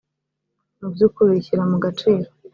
mu by’ukuri shyira mu gaciro